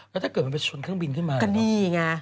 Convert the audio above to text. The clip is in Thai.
แล้วถ้าเกิดมันไปชนเครื่องบินขึ้นมาก็นี่ไง